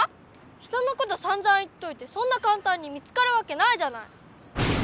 人のことさんざん言っといてそんなかんたんに見つかるわけないじゃない！